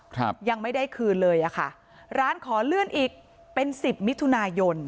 ครับยังไม่ได้คืนเลยอ่ะค่ะร้านขอเลื่อนอีกเป็นสิบมิถุนายน